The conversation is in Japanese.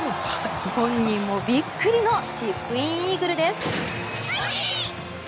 本人もびっくりのチップインイーグルです。